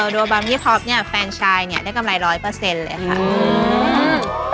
โดยบอมพี่ท็อปเนี่ยแฟนชายเนี่ยได้กำไรร้อยเปอร์เซ็นต์เลยค่ะ